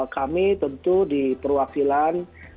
kami tentu di perwakilan